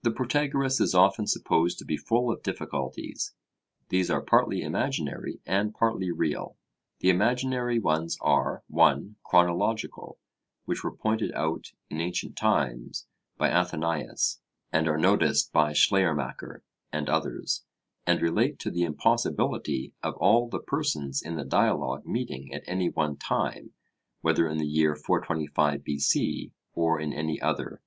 The Protagoras is often supposed to be full of difficulties. These are partly imaginary and partly real. The imaginary ones are (1) Chronological, which were pointed out in ancient times by Athenaeus, and are noticed by Schleiermacher and others, and relate to the impossibility of all the persons in the Dialogue meeting at any one time, whether in the year 425 B.C., or in any other.